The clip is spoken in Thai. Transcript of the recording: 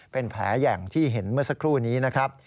เป็นแผลอย่างที่เห็นเมื่อสักครู่นี้นะครับ